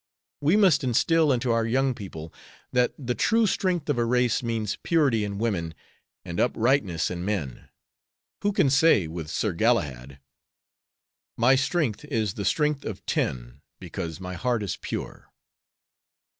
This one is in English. We must instill into our young people that the true strength of a race means purity in women and uprightness in men; who can say, with Sir Galahad: 'My strength is the strength of ten, Because my heart is pure.'